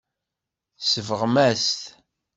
Tsebɣem-as-t.